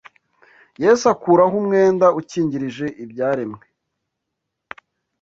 Yesu akuraho umwenda ukingirije ibyaremwe